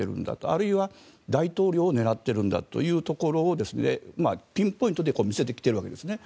あるいは、大統領を狙っているんだというところをピンポイントで見せてきてるわけですね。